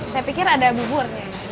saya pikir ada bubur